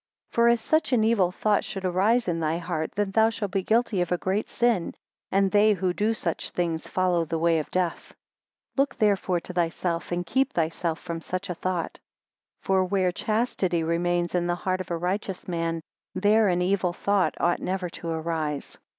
For if such an evil thought should arise in thy heart, then thou shall be guilty of a great sin; and they who do such things, follow the way of death. 3 Look therefore to thyself, and keep thyself from such a thought; for where chastity remains in the heart of a righteous man, there an evil thought ought never to arise.